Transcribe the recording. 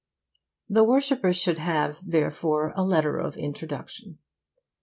The worshipper should have, therefore, a letter of introduction.